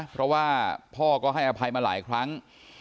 เพราะว่าพ่อก็ให้อภัยมาหลายครั้ง